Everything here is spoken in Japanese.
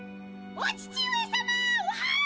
お母上さま！